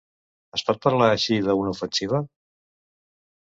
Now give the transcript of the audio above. Es pot parlar així d’una ofensiva?